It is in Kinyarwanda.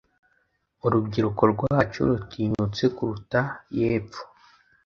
Urubyiruko rwacu rutinyutse kuruta yepfo